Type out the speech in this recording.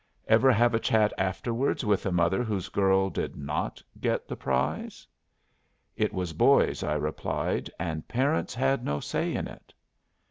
"Ever have a chat afterwards with a mother whose girl did not get the prize?" "It was boys," I replied. "And parents had no say in it."